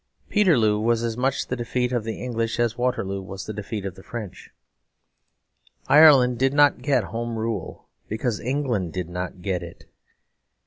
Peterloo was as much the defeat of the English as Waterloo was the defeat of the French. Ireland did not get Home Rule because England did not get it.